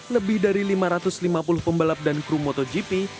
lebih dari lima ratus lima puluh pembalap dan kru motogp